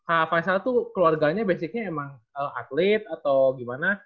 apa yang salah tuh keluarganya basicnya emang atlet atau gimana